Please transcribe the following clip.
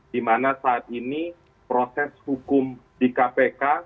di mana saat ini proses hukum di kpk